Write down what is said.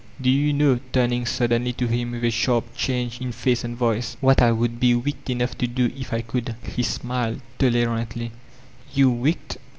Do you know/' turning suddenly to him with a sharp change in face and voice, "what I would be wicked enough to do, if I could?" He smiled tolerantly: "You, wicked?